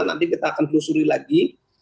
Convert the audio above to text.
nanti kita akan telusuri lagi